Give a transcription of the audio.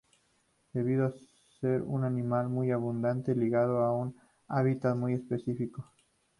Debió ser un animal muy abundante ligado a un hábitat muy específico.